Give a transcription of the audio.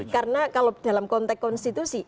karena kalau dalam konteks konstitusi